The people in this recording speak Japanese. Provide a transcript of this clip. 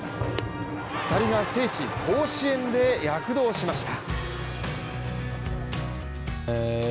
２人が聖地・甲子園で躍動しました。